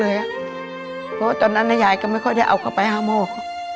เพราะว่าตอนนั้นยายก็ไม่ค่อยได้เอาเข้าไปหาหมอ